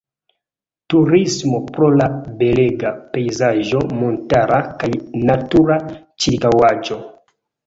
Turismo pro la belega pejzaĝo montara kaj natura ĉirkaŭaĵo.